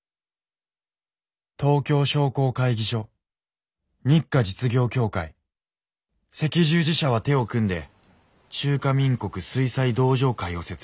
東京商工会議所日華実業協会赤十字社は手を組んで中華民国水災同情会を設立。